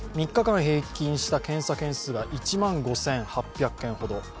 ３日間平均した検査件数は１万５８００件ほど。